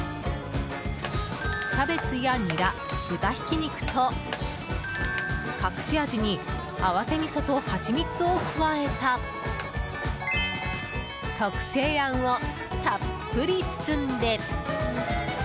キャベツやニラ、豚ひき肉と隠し味に、合わせみそとハチミツを加えた特製あんをたっぷり包んで。